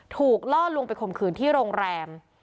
ล่อลวงไปข่มขืนที่โรงแรม